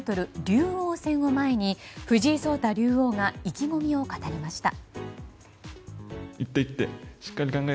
竜王戦を前に藤井聡太竜王が意気込みを語りました。